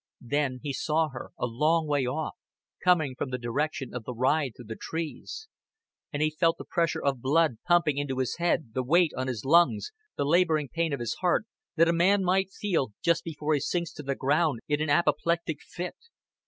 Then he saw her, a long way off, coming from the direction of the ride through the trees; and he felt the pressure of blood pumping into his head, the weight on his lungs, the laboring pain of his heart, that a man might feel just before he sinks to the ground in an apoplectic fit.